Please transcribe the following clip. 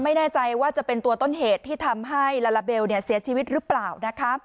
ไม่แน่ใจว่าจะเป็นตัวต้นเหตุที่ทำให้ลาลาเบลเสียชีวิตหรือเปล่านะคะ